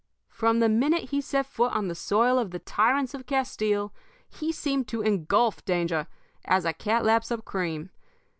From the minute he set foot on the soil of the tyrants of Castile he seemed to engulf danger as a cat laps up cream.